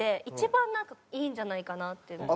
一番いいんじゃないかなって。